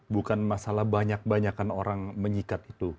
bukan masalah banyak banyakan orang menyikat itu